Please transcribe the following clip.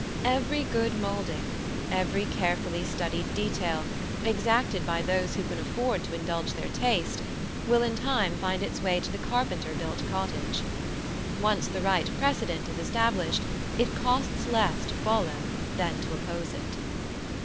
Every good moulding, every carefully studied detail, exacted by those who can afford to indulge their taste, will in time find its way to the carpenter built cottage. Once the right precedent is established, it costs less to follow than to oppose it.